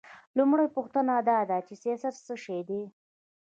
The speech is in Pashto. لومړۍ پوښتنه دا ده چې سیاست څه شی دی؟